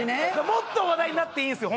もっと話題になっていいんですよ